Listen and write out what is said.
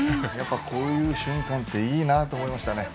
こういう瞬間っていいなと思いましたね。